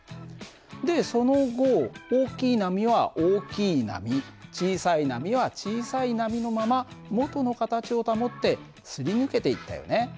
でその後大きい波は大きい波小さい波は小さい波のまま元の形を保ってすり抜けていったよね。